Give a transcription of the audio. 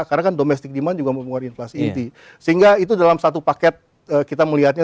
karena kan domestic demand juga menggunakan inflasi inti sehingga itu dalam satu paket kita melihatnya